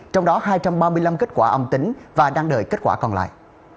trong đó hai trăm ba mươi năm kết quả âm tính và đang đợi kết quả còn lại